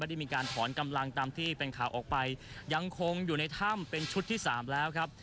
ได้มีการถอนกำลังตามที่เป็นข่าวออกไปยังคงอยู่ในถ้ำเป็นชุดที่สามแล้วครับ